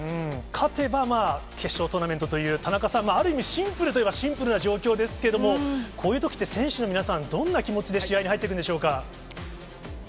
勝てばまあ、決勝トーナメントという、田中さん、ある意味、シンプルといえばシンプルな状況ですけれども、こういうときって、選手の皆さん、どんな気持ちで試合に入っていくんでしょうか。